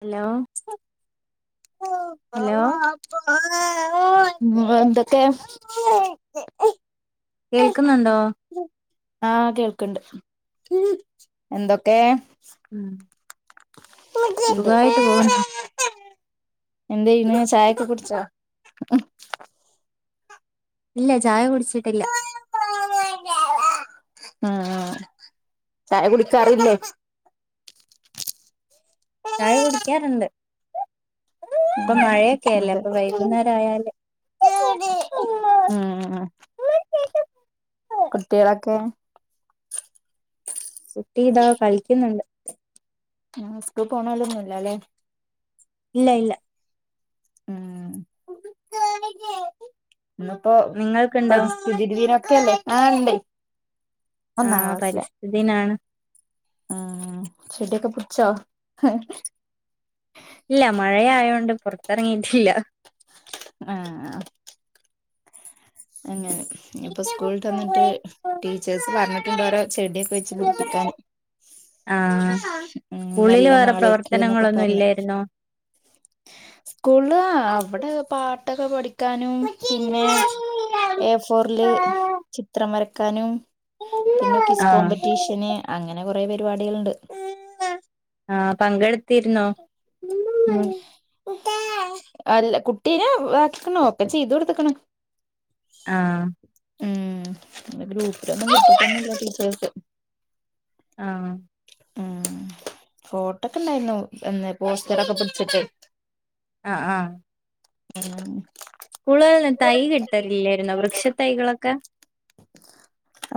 Hello hello ആഹ് എന്തൊക്കെ കേൾക്കുന്നുണ്ടോ ആഹ് കേൾക്ക്ണ്ട് എന്തൊക്കെ ഉം എന്ത് സുഖായിട്ട് പോകുന്നു എന്തെയ്യ്ണ് ചായൊക്കെ കുടിച്ചോ ഇല്ല ചായ കുടിച്ചിട്ടില്ല ആഹ് ആഹ് ചായ കുടിക്കാറില്ലേ ചായ കുടിക്കാറുണ്ട് ഇപ്പ ഉം മഴയൊക്കെല്ലേ അതെ അപ്പൊ വൈകുന്നേരായാല് ഉം കുട്ടിയാളൊക്കെ കുട്ടി ഇതാ കളിക്കുന്നുണ്ട് ആഹ് സ്കൂൾ പോണാലൊന്നുല്ലല്ലെ ഇല്ലയില്ല ഉം ഇന്നിപ്പോ പ്പ നിങ്ങൾക്കുണ്ടോ ശുചിതി ദിനത്തുവല്ലേ ആഹ് ണ്ടെ ആഹ് പരിസ്ഥിതിനാണ് ആഹ് ചെടിയൊക്കെ പുട്ച്ചോ ഇല്ല മഴയായോണ്ട് പുറത്തിറങ്ങിയിട്ടില്ല ആഹ് ആഹ് അങ്ങനെ ഇനിപ്പ സ്കൂൾട്ട് വന്നിട്ട് ടീച്ചേഴ്സ് പറഞ്ഞിട്ടുണ്ടോരോ ചെടിയ വെച്ച് പിട്പ്പിക്കാന് ആ ഉം സ്കൂളില് നല്ല വേറെ നാളേക്ക്ന്നൊക്കെ പ്രവർത്തനങ്ങളൊന്നും പർനേ ഇല്ലായിരുന്നോ സ്കൂൾള് അവടെ പാട്ടൊക്കെ പഠിക്കാനും പിന്നെ എ ഫോർല് ചിത്രം വരക്കാനും പിന്നെ ക്വിസ് ആ കോമ്പറ്റീഷന് അങ്ങനെ കൊറെ പരിപാടികൾണ്ട് ആഹ് പങ്കെടുത്തിര്ന്നോ അല്ല കുട്ടീനെ ആക്കിക്ക്ണോ ഒക്കെ ചീതൊട്ത്ത്ക്ക്ണ് ആഹ് മ് പിന്നെ ഗ്രൂപ്പിലൊന്നും വിട്ടിട്ടൊന്നുല്ല ടീച്ചേഴ്സ് ആഹ് ആഹ് ആഹ് ഫോട്ടക്കെണ്ടായ്ന്നു എന്ന് പോസ്റ്ററൊക്കെ പുടിച്ചിട്ട് ആഹ് ആഹ് ഉം കൂൾളേൾന്നും തൈരിട്ടലില്ലേര്ന്നോ വൃക്ഷ തൈകളൊക്കെ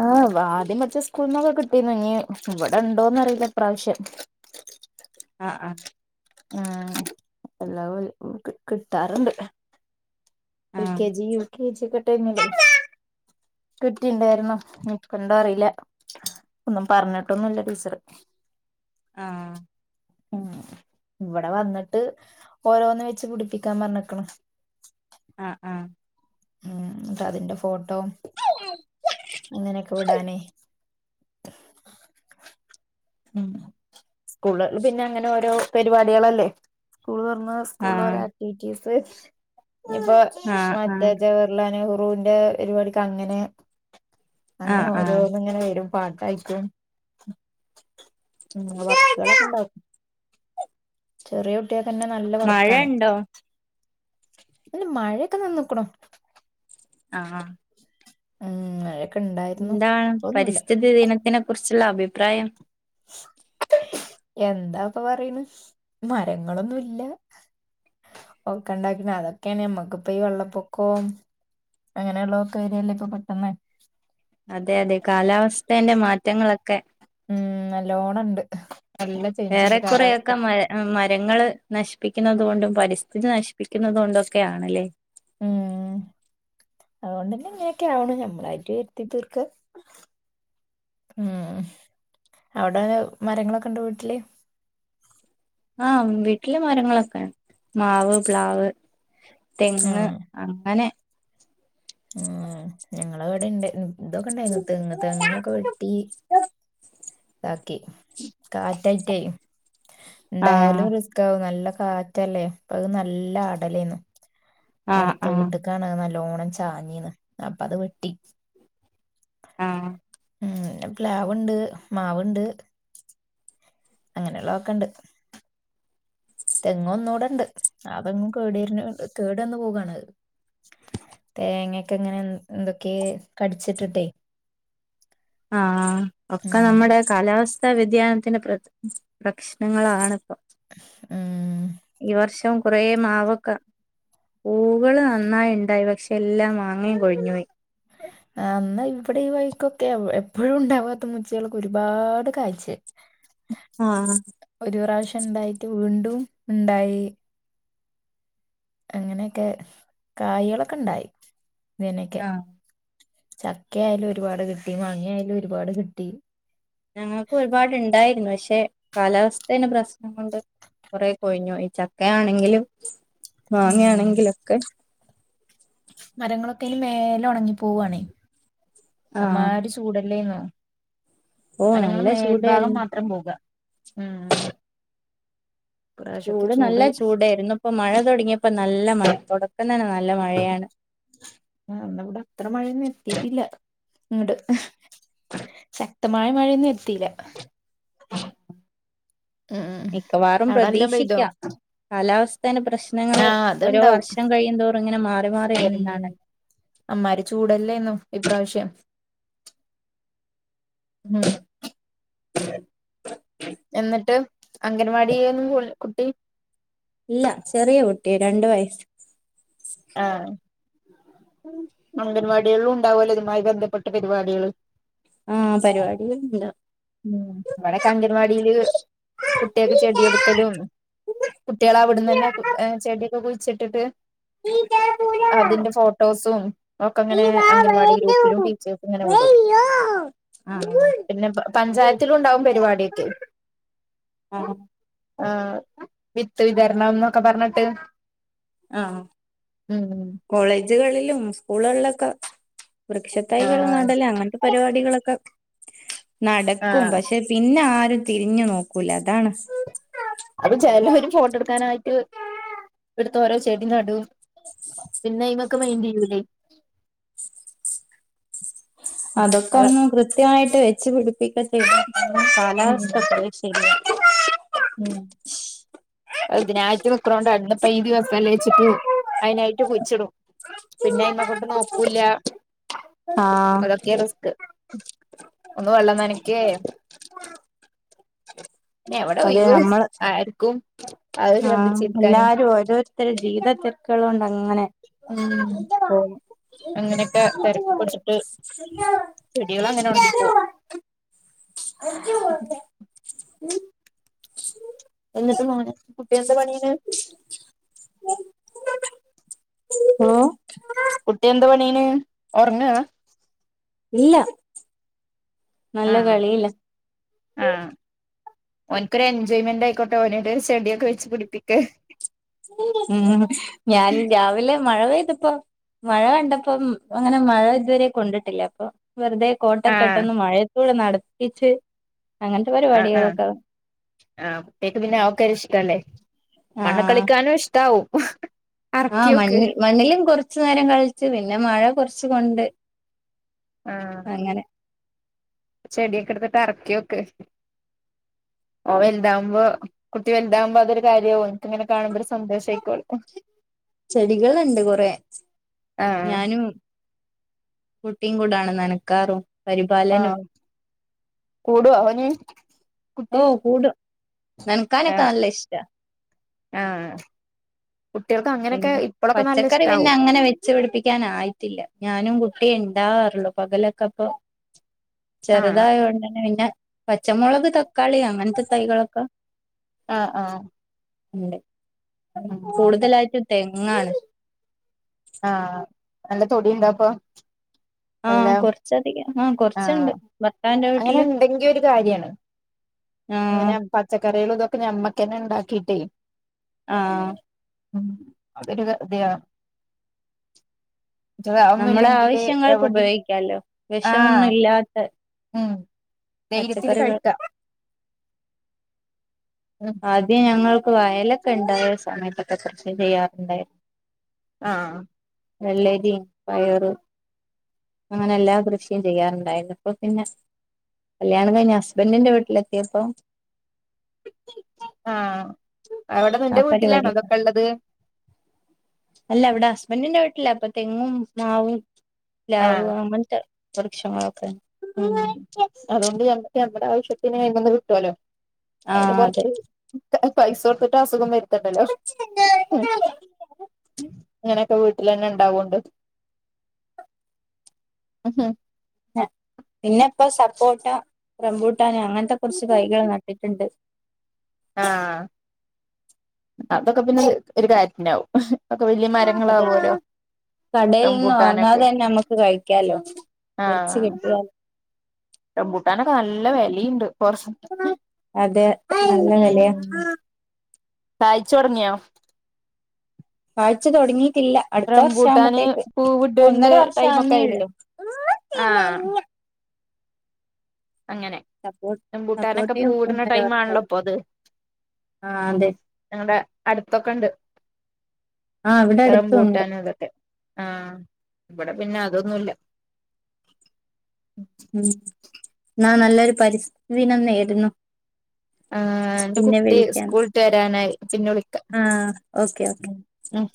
ആഹ് ആദ്യം പച്ച സ്കൂള്ന്നൊക്കെ കിട്ടീന്നു ഇഞ് ഇവടെണ്ടോന്ന് അറിയില്ല ഇപ്രാവശ്യം ആഹ് ആഹ് ആഹ് എല്ലാ വ കി കിട്ടാറ്ണ്ട് എൽ ആഹ് കെ ജി യു കെ ജിക്കെ ടൈമില് കിറ്റിണ്ടാര്ന്നു ഞിപന്താറീല ഒന്നും പർഞ്ഞിട്ടൊന്നുല്ല ടീച്ചറ് ആഹ് ഇവടെ വന്ന്ട്ട് ഓരോന്ന് വെച്ച് പുടിപ്പിക്കാമ്പർഞ്ക്ക്ണ് ആഹ് ആഹ് ഉം ട്ടതിൻ്റെ ഫോട്ടോ ഇങ്ങനൊക്കെ വിടാനേ ഉം സ്കൂൾളേള്പിന്നെ അങ്ങനെ ഓരോ പരിപാട്യേളല്ലേ സ്കൂൾ തൊറന്നാ സ്കൂളോരോ ആഹ് ആക്ടിവിറ്റീസ് ഞിപ്പോ ആഹ് ആഹ് മറ്റേ ജേ ള്ള നെഹ്‌റൂന്റെ പരിപാടിക്ക് അങ്ങനെ അങ്ങനെ ആഹ് ആഹ് ആഹ് ഓരോന്ന്ങ്ങനെ വരും പാട്ടായിറ്റും ഉം വർക്കേളൊക്കെണ്ടാവു ചെറിയ കുട്ട്യേൾക്കെന്നെ നല്ല മഴ വർക്കാണേ ഉണ്ടോ ഇന്ന്മഴെക്കെ നിന്ന്ക്ക്ണു ആഹ് ആഹ് ഉം മര ന്താണ് പരിസ്ഥിതി ദിനത്തിനെ കുറിച്ചുള്ള അഭിപ്രായം എന്താപ്പൊ പറയ്ണ് മരങ്ങളൊന്നുല്ല ഒക്കെണ്ടാക്കണ് അതൊക്ക്യാണ് ഞമ്മക്ക്പ്പ ഈ വെള്ളപ്പൊക്കോം അങ്ങനെള്ളതൊക്കെ വരല്ലേ ഇപ്പൊ പെട്ടെന്ന് അതെ അതെ കാലാവസ്ഥേന്റെ മാറ്റങ്ങളൊക്കെ ഉം നല്ലോണണ്ട് നല്ല ചൈഞ്ച്ണ്ട് കാലാവസ്ഥ ആഹ് മരങ്ങള് നശ്പ്പിക്കുന്നുന്നത് കൊണ്ടും പരിസ്ഥിതി നശിപ്പിക്കുന്നുന്നത് കൊണ്ടും ഒക്കെ ആണല്ലേ അതോണ്ടന്നെ ഇങ്ങനെക്കെ ആവണ് ഞമ്മളായിട്ട് വരുത്തി തീർക്ക ഉം അവടെ മരങ്ങളൊക്കെണ്ടോ വീട്ട്ല് ആഹ് വീട്ടില് മരങ്ങളൊക്കെ മാവ് പ്ലാവ് തെങ്ങ് ഉം അങ്ങനെ ഉം ഞങ്ങളവടിണ്ട് ഉം ഇതൊക്കെ ണ്ടായിര്ന്നു തെങ്ങ് തെങ്ങൊക്കെ വെട്ടി താക്കി കാറ്റായിറ്റെയ് ആഹ് ണ്ടായാലൊര് റിസ് ക്കാവും നല്ല കാറ്റല്ലേ അപ്പ അ എ് നല്ല ആടലേന്നു ആഹ് അടുത്ത ആഹ് വീട്ട്ക്കാണ് നല്ലോണം ചാഞ്ഞീന്ന് അപ്പ അത് വെട്ടി ആഹ് ഉം ന്നെ പ്ലാവ്ണ്ട് മാവുണ്ട് അങ്ങനെയുള്ള ഒക്കെണ്ട് തെങ്ങ് ഒന്നുടെണ്ട് ആ തെങ്ങും കേട് വരണ് കേടന്നു പോകാണ് അത് തേങ്ങക്കെ ഇങ്ങനെ എന്തൊക്കെ കടിച്ചിട്ടുട്ടേ ആഹ് ഒക്കെ ഉം നമ്മുടെ കാലാവസ്ഥാ വ്യതിയാനത്തിന്റെ പ്രത് പ്രശ്നങ്ങളാണിപ്പോ മ്ഹ് ഉം ഈ വർഷം കുറേ മാവൊക്കെ പൂകള് നന്നായിണ്ടായി പക്ഷെ എല്ലാം മാങ്ങേ കൊഴിഞ്ഞു പോയി ആഹ് ന്ന ഇവിടെ ഈ വഴിക്കൊക്കെ എപ്പോഴും ഉണ്ടാവാത്ത മൂ ച്ചിളൊക്കെ ഒരുപാട് കായ്ച് ആഹ് ഒരു പ്രാവശ്യം ഇണ്ടായിട്ട് വീണ്ടും ഇണ്ടായി അങ്ങനെക്കെ കായ്ളൊക്കെ ഇണ്ടായി ഇതിനെക്കെ ആഹ് ചക്കയാലും ഒരുപാട് കിട്ടി മാങ്ങയാലും ഒരുപാട് കിട്ടി ഞങ്ങൾക്കും ഒരുപാടുണ്ടായിരുന്നു പക്ഷെ കാലാവസ്ഥേൻ്റെ പ്രശ്നം കൊണ്ട് കൊറെ കൊഴിഞ്ഞോയി ചക്കയാണെങ്കിലും മാങ്ങയാണെങ്കിലൊക്കെ മരങ്ങളൊക്കെനിം മേലെ ഒണങ്ങി പോവാണെ ആഹ് അമ്മാരി ചൂ ടല്ലേന്നോ ഓഹ് അനങ്ങണ് നല്ല മേൽഭാഗം ചൂടായിരുന്നു മാത്രം പോകാ ചൂട് നല്ല ചൂടേർന്നു ഇപ്പൊ മഴ തൊടങ്ങിയപ്പോ നല്ല മഴ തൊടക്കം തന്നെ നല്ല മഴയാണ് ആഹ് ന്ന ബടെ അത്ര മഴൊന്നും എത്തിട്ടില്ല ഇങ്ങട് അഹ് ച ശക്തമായ മഴയൊന്നും എത്തിയില്ല. ഉ ഉം മിക്കവാറും അവിടെ നല്ലോം പെയ്തോ പ്രതീക്ഷിക്കാം. കാലാവസ്ഥേടെ പ്രശ്നങ്ങൾ, ആഹ് ഓരോ അത്ണ്ടാവും വർഷം കഴിയന്തോറും ഇങ്ങനെ മാറി മാറി വരുന്നാണല്ലോ അമ്മാതിരി ചൂടല്ലേ ന്നോ ഇപ്രാവശ്യം ഉം.. എന്നിട്ട് അംഗൻവാടിയെന്നു പോൺലെ കുട്ടി.. ഇല്ല ചെറിയ കുട്ടിയ, രണ്ട് വയസ്സ്... ആഹ്! അംഗൻവാടികളിലും ഉണ്ടാവല്ലോ, ഇതുമായി ബന്ധപ്പെട്ട പരിപാടികള്.. ആഹ് പരിപാടി ല്ല ഉം... ഇവിടെ ഒക്കെ അങ്കൻവാടിയില് കുട്ടികൾക്ക് ചെടി കൊടുക്കലും കുട്ടികളവിടന്ന് തന്നെ ചെടിയൊക്കെ കുഴിച്ചിട്ടിട്ട്.. [unintelligible] അതിന്റെ ഫോട്ടോസും ഒക്കെ അങ്ങനെ അംഗൻവാടി ഗ്രൂപ്പിലും ടീച്ചേഴ്സും ഇങ്ങനെ വിടും.. ! ആഹ് പിന്നെ പഞ്ചായത്തിലുണ്ടാവും പരിപാടിയൊക്കെ. ആഹ് വിത്ത് വിതരണം എന്നൊക്കെ പറഞ്ഞിട്ട്.. ആഹ്.. ഉം ഉം കോളേജുകളിലും സ്കൂളുകളിലൊക്കെ വൃക്ഷ തൈകൾ ആഹ് നടല അങ്ങന.. പരിപാടികളൊക്കെ നടക്കും. ആഹ് പക്ഷെ... പിന്നെ ആരും തിരിഞ്ഞു നോക്കൂല. അതാണ്... അത് ചിലൊര് ഫോട്ടോ എടുക്കാനായിട്ട് എടുത്ത ഓരോ ചെടി നടും.. പിന്നെ ഐമക്ക് മൈന്റ് ചെയ്യൂല്ലേ അതൊക്കെ അത ഒന്ന് കൃത്യമായിട്ട് വെച്ചു പിടിപ്പിക്കണ്ടേ ഉം കാലാവസ്ഥക്ക ശരി ഉം അതിനായിട്ട് നക്കണോണ്ട് അന്നപ്പ ഇതി മസാല വെച്ചിട്ട് അതിനായിട്ട് കുഴിച്ചിടും പിന്നെ അയിമക്കോട്ട് നോക്കൂല്ല ആഹ് അതൊക്കെയാ റിസ്ക് ഒന്ന് വെള്ളം നനക്കെ.. അതെ ഒഴിവ് നമ്മൾ.. ആർക്കും അത് ആഹ്, ശ്രദ്ധിച്ചിരിക്കാന് എല്ലാരും ഓരോരുത്തരു ജീവിത തിരക്കുകളു കൊണ്ട് അങ്ങനെ... ആഹ പോകും അങ്ങനെയൊക്കെ തിരക്കപ്പെടുത്തിട്ട് ചെടികൾ അങ്ങനെ ഉണങ്ങിപ്പോവും ഉം ശ.. എന്നിട്ട് മോനു കുട്ടി എന്താ പണിയണ് ഹലോ കുട്ടി എന്താ പണീയണ്? ഒറങ്ങാ ഇല്ല നല്ല ആഹ് കളിയില്ല ഓനക്കൊരു എൻജോയ്മെന്റ് ആയിക്കോട്ടെ അവനോട് ചെടിയൊക്കെ വെച്ച് പിടിപ്പിക്ക.. ഞാൻ രാവിലെ മഴ പെയ്തപ്പ മഴ കണ്ടപ്പോം അങ്ങനെ മഴ ഇതുവരെ കൊണ്ടിട്ടില്ല അപ്പൊ വെറുതെ. കോട്ടക്കെ ആഹ് ഇട്ടൊന്ന് മഴയത്തൂടെ നടത്തിച്ച് അങ്ങനത്തെ പരിപാടികളൊക്കെ ആഹ കുട്ട്യേക്ക് പിന്നെ ആക്കാര് ഇഷ്ടല്ലേ മണ്ണു ആഹ് കളിക്കാനും ഇഷ്ടാവും ആഹ്, അറക്കിയോക്ക് മണ്ണ്മണ്ണിലും കുറച്ചു നേരം കളിച്ചു. പിന്നെ മഴ കുറച്ച് കൊണ്ട് ആഹ് അങ്ങനെ ചെടിയൊക്കെ എടുത്തിട്ട് ഇറക്കിയൊക്ക് ഓൻ വലുതാവുമ്പോൾ കുട്ടി വലുതവുമ്പോ അത്ഒരു കാര്യവും ഓൻക്കിങ്ങനെ കാണുമ്പോ ഒരു സന്തോഷആക്കോള്ളൂ ചെടികളുണ്ട് കൊറെ ആഹ് ഞാനും കുട്ടിയും കൂടാണ് നനക്കാറും ആഹ പരിപാലനവും കൂടുവോ ഓൻ? ഓഹ് കൂടും നൻകാനക്കനല്ല ഇഷ്ട ആ കുട്ടികൾക്ക് അങ്ങനെയൊക്കെ ഇപ്പോഴൊക്കെ നല്ല ഇഷ്ടമാകവും കുച്ചു പിടിപ്പിക്കാനായിട്ടില്ല ഞാനും കുട്ടി ഉണ്ടാവാാറുള്ളു പകലൊക്കെ അപ്പൊ ആഹ് ചെറുതായത് കൊണ്ടന്നെ പിന്നെ പച്ചമുളക് തക്കാളി അങ്ങനത്തെ തൈകളൊക്കെ ആഹ ആഹ കൂടുതലായിട്ടും തെങ്ങാണ് ആഹ നല്ല തൊടിയ ഉണ്ടാപ്പൊ ആഹ കൊറച്ചധികം ആഹ് അങ്ങനെ വീട്ടില് ഉണ്ടെങ്കിയ ഒരു കാര്യാണ്. ആഹ് പച്ചക്കറികളൾ ഇതൊക്കെ ഞമ്മക്കന്നെ ഉണ്ടാക്കിട്ടേ ആഹ ഉ അതൊരു അതെയ അതൊന്നും നമ്മുടെ ഇല്ലെങ്കില് ആവശ്യങ്ങൾക്ക് എവിടിം ഉപയോഗിക്കല്ലോ വിഷമൊന്നും ഇല്ലാത്ത ധൈര്യത്തിൽ പച്ചക്കറികൾ കഴിക്ക ആദ്യം ഞങ്ങൾക്ക് വയലൊക്കെ ഉണ്ടായ സമയത്തൊക്കെ കൃഷി ചെയ്യാറുണ്ടായിരുന്നു ആഹ വള്ളേരി പയർ അങ്ങനെ എല്ലാ കൃഷിയും ചെയ്യാറുണ്ടായിരുന്നുപ്പോ പിന്നെ കല്യാണം കഴിഞ്ഞ ഹസ്ബൻറിന്റെ വീട്ടിലെത്തിയപ്പോ ആഹ അവിടെ ആ നിന്റെ വീട്ടിലാണ പരിപാടി അതൊക്കെ ഉള്ളത്? അല്ല അവിടെ ഹസ്ബൻ്റിൻ്റെ വീട്ടില അപ്പൊ തെങ്ങും മാവും പ്ലാവ് ആഹ് അങ്ങനെത്തെ വൃക്ഷങ്ങളൊക്കെ അതുകൊണ്ട് നമുക്ക് നമ്മടെ ആവശ്യത്തിന് ഇതിൽമെന്ന് കിട്ടുവല്ലോ ആ അതിന് അതെ കൊറച്ച് പൈസ കൊടുക്ക അസുഖം വരുത്തണ്ടല്ലോ അങ്ങനെയൊക്കെ വീട്ടിൽ തന്നെ ഉണ്ടാവോണ്ട് ഉ പിന്നെ ഇപ്പോ സപ്പോട്ട റംബൂട്ടൻ അങ്ങനത്തെ കുറച്ച് കൈകൾ നട്ടിട്ടുണ്ട് ആഹ് അതൊക്കെ പിന്നെ ഒരു കാര്യത്തിനാാവും ഒക്കെ വലിയ മരങ്ങള ആവുല്ലോ കടൽ നിന്ന് വാങ്ങാതെ തന്നെ നമ്മുക്ക് കഴിക്കാലോ പിടിച്ച കിട്ടിയാല ബൂട്ടാനൊക്കെ നല്ല വിലുണ്ട് കുറച്ച അതെ നല്ല ഉ വിലയാ കഴച്ച തുടങ്ങിയോ വഴച്ച തുടങ്ങിയിട്ടില്ല അടുത്ത റംബൂട്ടാന് വർഷവുമ്പോത്തേക്ക് പൂവിടേണ്ട ഒന്നര ടൈമൊക്കെ വർഷമാേ ആയില്ലേ ഉള്ളു ആഹ് അങ്ങനെ സപ്പോട്ട റം മ്പൂട്ടാനൊക്കെ സപ്പോട്ടയും ഇപ്പൊ പൂവിടുന്ന ഒന്നര ടൈം ആണല്ലോ വർഷായി ഇപ്പൊ അത് ആ അതെ ഞങ്ങളടെ അടുത്തൊക്കെ ഉണ്ട് ആ ഇവിടെ ഇ അടുത്തുണ്ട് റംപൂട്ടാനും ഇതൊക്കെ ആഹ് ഇവിടെ പിന്നെ അതൊന്നുമല്ല ഉം എന്നാ നല്ലൊരു പരിസ്ഥിതിന നേരുന്നു ആ എന്റെ പിന്നെ കുട്ടി വിളിക്കാം സ്കൂളട്ട് വരാനായി പിന്നെ വിളിക്ക ആ ഓക്കെ ഓക്കെ ഉ